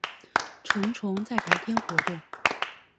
成虫在白天活动。